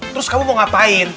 terus kamu mau ngapain